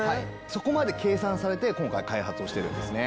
そこまで計算されて今回開発をしてるんですね。